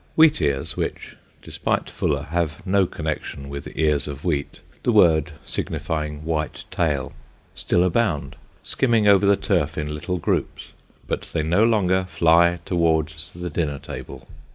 Wheatears (which, despite Fuller, have no connection with ears of wheat, the word signifying white tail) still abound, skimming over the turf in little groups; but they no longer fly towards the dinner table.